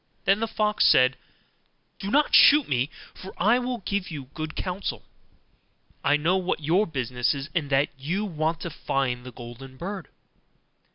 Then the fox said, 'Do not shoot me, for I will give you good counsel; I know what your business is, and that you want to find the golden bird.